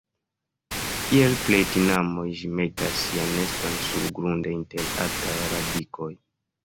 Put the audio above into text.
Kiel plej tinamoj ĝi metas sian neston surgrunde inter altaj radikoj.